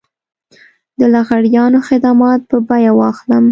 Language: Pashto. د لغړیانو خدمات په بيه واخلم.